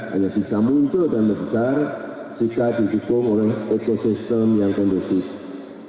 hanya bisa muncul dan membesar jika didukung oleh ekosistem yang kondusif